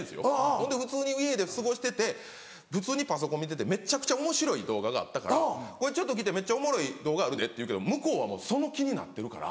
ほんで普通に家で過ごしてて普通にパソコン見ててめちゃくちゃおもしろい動画があったから「ちょっと来てめっちゃおもろい動画あるで」って言うけど向こうはその気になってるから。